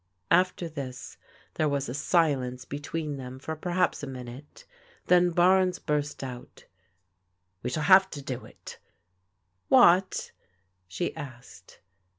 After this there was a silence between them for per haps a minute. Then Barnes burst out :" We shall have to do it" "What?" she asked.